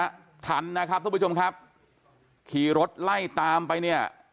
ทันนะครับทุกผู้ชมครับขี่รถไล่ตามไปเนี่ย